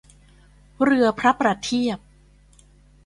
เรือพระประเทียบ